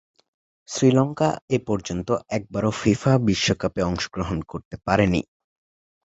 শ্রীলঙ্কা এপর্যন্ত একবারও ফিফা বিশ্বকাপে অংশগ্রহণ করতে পারেনি।